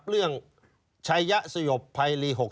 เรื่องชายะสรบไพรี